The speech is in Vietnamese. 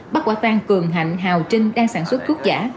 bắt quả tang cường hạnh hào trinh đang sản xuất thuốc giả